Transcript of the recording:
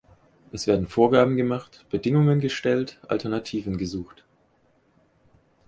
Es werden Vorgaben gemacht, Bedingungen gestellt, Alternativen gesucht.